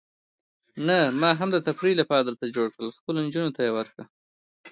نه، ما هم د تفریح لپاره درته جوړ کړل، خپلو نجونو ته یې ورکړه.